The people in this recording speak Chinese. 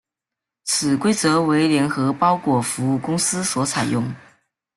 此规则为联合包裹服务公司所采用。